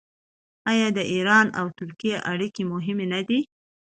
آیا د ایران او ترکیې اړیکې مهمې نه دي؟